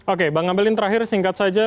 oke bang ngabalin terakhir singkat saja